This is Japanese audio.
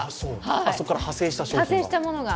そこから派生したものが。